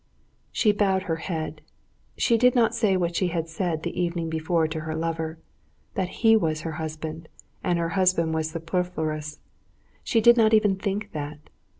She bowed her head. She did not say what she had said the evening before to her lover, that he was her husband, and her husband was superfluous; she did not even think that.